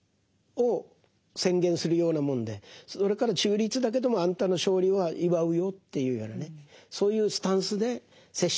それから中立だけどもあんたの勝利は祝うよっていうようなねそういうスタンスで接していきましょう。